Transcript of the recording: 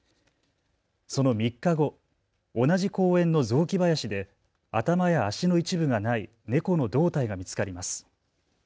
その３日後、同じ公園の雑木林で頭や足の一部がない猫の胴体が見つかります。